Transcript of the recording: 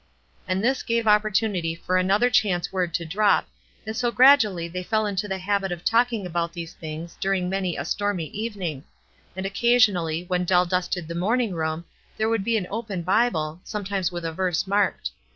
And this gave opportunity for another chance word to drop, and so gradually they fell into the habit of talking about these things dur ing many a stormy evening ; and occasionally, when Dell dusted the morning room, there would be an open Bible, sometimes with a verse marked.